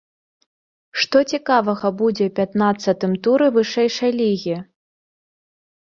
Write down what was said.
Што цікавага будзе ў пятнаццатым туры вышэйшай лігі?